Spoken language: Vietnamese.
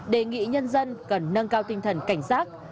đề nghị nhân dân cần nâng cao tinh thần cảnh giác